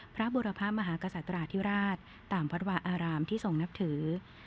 พระบุรพภาพมหากสัตตราธิราชตามพระหวะอารามที่ทรงนับถือ